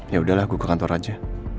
yaudah lah gue ke kantor aja